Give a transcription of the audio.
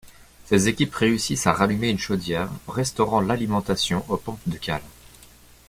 Ces équipes réussissent à rallumer une chaudière, restaurant l'alimentation aux pompes de cale.